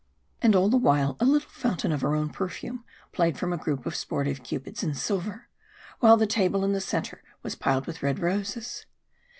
And all the while a little fountain of her own perfume played from a group of sportive cupids in silver, while the table in the centre was piled with red roses.